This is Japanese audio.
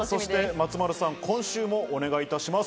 松丸さん、今週もお願いします。